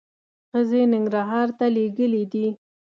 ښځې ننګرهار ته لېږلي دي.